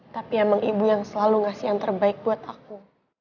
tapi emang ibu yang selalu ngasih yang terbaik buat aku